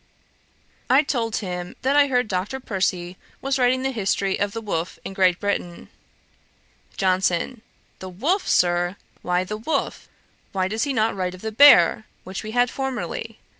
I told him, that I heard Dr. Percy was writing the history of the wolf in Great Britain. JOHNSON. 'The wolf, Sir! why the wolf? Why does he not write of the bear, which we had formerly?